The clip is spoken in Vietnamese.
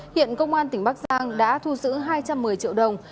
hiện công an tỉnh bắc giang đã thu giữ hai trăm một mươi triệu đồng